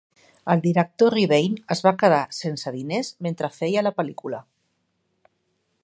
El director Rebane es va quedar sense diners mentre feia la pel·lícula.